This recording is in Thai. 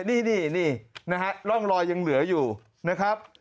นี่นะฮะร่องรอยยังเหลืออยู่นะครับ